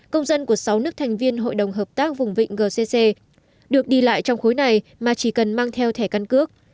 công dân của sáu nước thành viên hội đồng hợp tác vùng vịnh gcc được đi lại trong khối này mà chỉ cần mang theo thẻ căn cước